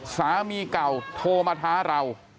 สามีเก่าโทรมาท้าเรา